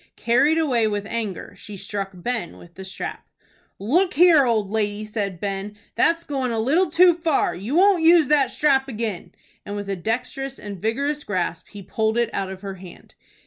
Carried away with anger, she struck Ben with the strap. "Look here, old lady," said Ben, "that's goin' a little too far. You won't use that strap again;" and with a dexterous and vigorous grasp he pulled it out of her hand.